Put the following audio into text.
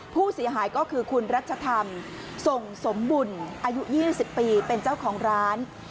ผู้เสียหายก็คือคุณรัชธรรมส่งสมบุญอายุ๒๐ปีเป็นเจ้าของร้าน